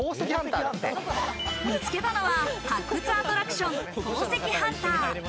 見つけたのは、発掘アトラクション宝石ハンター。